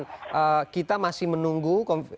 dan kita masih menunggu